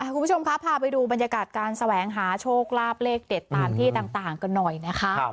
คุณผู้ชมครับพาไปดูบรรยากาศการแสวงหาโชคลาภเลขเด็ดตามที่ต่างกันหน่อยนะคะ